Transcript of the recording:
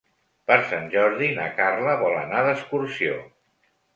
Per Sant Jordi na Carla vol anar d'excursió.